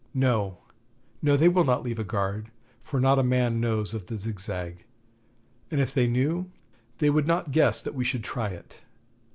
No, no, they will not leave a guard, for not a man knows of the Zigzag; and, if they knew, they would not guess that we should try it.